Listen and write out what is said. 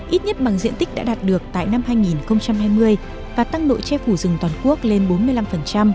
ít nhất bằng diện tích đã đạt được tại năm hai nghìn hai mươi và tăng độ che phủ rừng toàn quốc lên bốn mươi năm